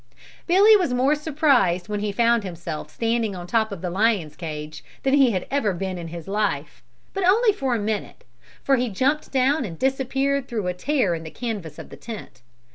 Billy was more surprised when he found himself standing on top of the lion's cage than he had ever been in his life, but only for a minute for he jumped down and disappeared through a tear in the canvas of the tent.